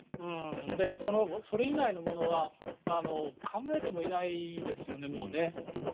それ以外のものは考えてもいないですよね、もう。